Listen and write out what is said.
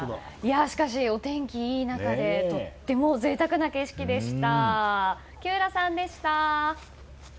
しかし、お天気がいい中でとても贅沢な景色でした。